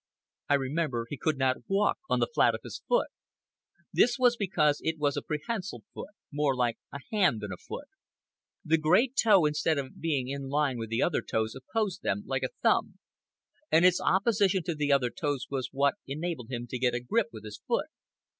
I remember he could not walk on the flat of his foot. This was because it was a prehensile foot, more like a hand than a foot. The great toe, instead of being in line with the other toes, opposed them, like a thumb, and its opposition to the other toes was what enabled him to get a grip with his foot.